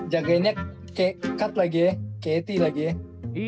jagainnya kayak cut lagi ya kayak eti lagi ya